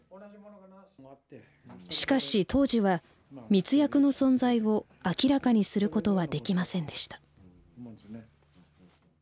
しかし当時は密約の存在を明らかにすることはできませんでした。